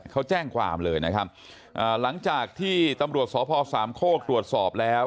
เขาแจ้งความเลยนะครับหลังจากที่ตำรวจสพสามโคกตรวจสอบแล้ว